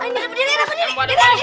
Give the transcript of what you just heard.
diri diri diri